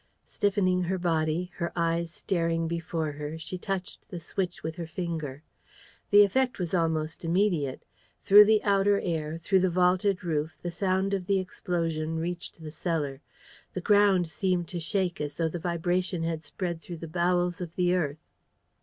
Stiffening her body, her eyes staring before her, she touched the switch with her finger. The effect was almost immediate. Through the outer air, through the vaulted roof, the sound of the explosion reached the cellar. The ground seemed to shake, as though the vibration had spread through the bowels of the earth.